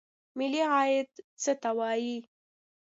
ملي عاید څه ته وایي؟